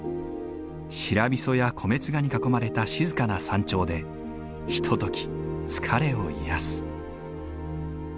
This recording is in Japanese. シラビソやコメツガに囲まれた静かな山頂でひととき疲れを癒やす。